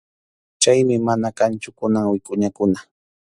Chaymi mana kanchu kunan wikʼuñakuna.